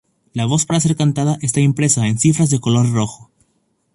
La voz para ser cantada está impresa en cifras de color rojo.